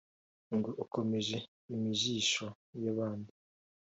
ngo ukomeje imijisho yabandi